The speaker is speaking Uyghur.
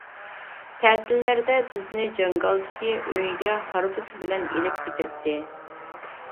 تەتىللەردە بىزنى جاڭگالدىكى ئۆيىگە ھارۋىسى بىلەن ئېلىپ كېتەتتى.